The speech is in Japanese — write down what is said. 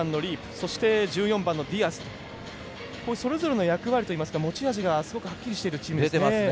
そして、１４番のディアスとそれぞれの役割といいますか持ち味がすごくはっきりしているチームですね。